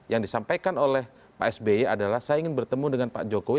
yang disampaikan oleh pak sby adalah saya ingin bertemu dengan pak jokowi